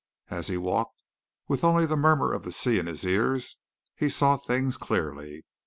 As he walked, with only the murmur of the sea in his ears, he saw things clearly.